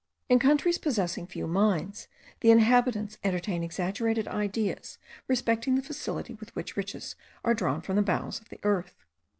In countries possessing few mines, the inhabitants entertain exaggerated ideas respecting the facility with which riches are drawn from the bowels of the earth.